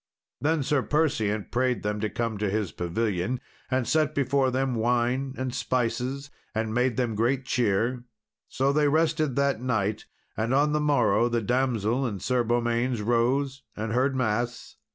Then Sir Perseant prayed them to come to his pavilion, and set before them wines and spices, and made them great cheer. So they rested that night; and on the morrow, the damsel and Sir Beaumains rose, and heard mass.